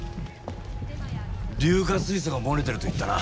硫化水素が漏れてると言ったな。